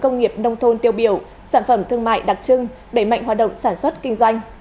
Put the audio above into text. công nghiệp nông thôn tiêu biểu sản phẩm thương mại đặc trưng đẩy mạnh hoạt động sản xuất kinh doanh